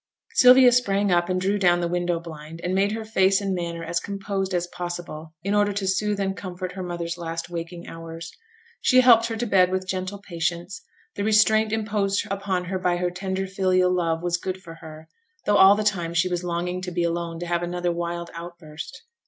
Sylvia sprang up and drew down the window blind, and made her face and manner as composed as possible, in order to soothe and comfort her mother's last waking hours. She helped her to bed with gentle patience; the restraint imposed upon her by her tender filial love was good for her, though all the time she was longing to be alone to have another wild outburst.